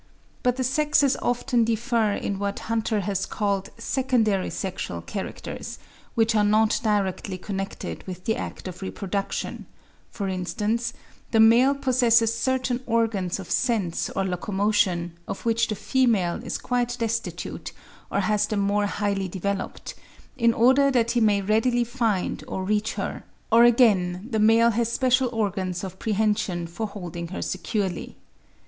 But the sexes often differ in what Hunter has called secondary sexual characters, which are not directly connected with the act of reproduction; for instance, the male possesses certain organs of sense or locomotion, of which the female is quite destitute, or has them more highly developed, in order that he may readily find or reach her; or again the male has special organs of prehension for holding her securely.